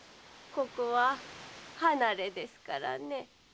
ここは離れですからね。